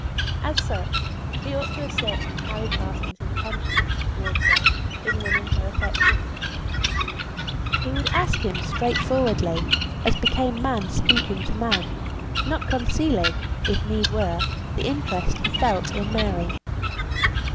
As such, he ought to ascertain Harry Carson's intentions towards her in winning her affections. He would ask him, straightforwardly, as became man speaking to man, not concealing, if need were, the interest he felt in Mary.